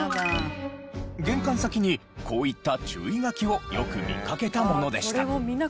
玄関先にこういった注意書きをよく見かけたものでした。